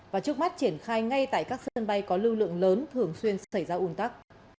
và trước mắt triển khai ngay tại các sân bay có lưu lượng lớn thường xuyên xảy ra un tắc